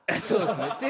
そうですね。